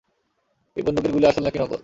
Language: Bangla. এই বন্দুকের গুলি আসল নাকি নকল?